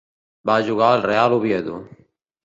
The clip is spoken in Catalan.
Va jugar al Real Oviedo.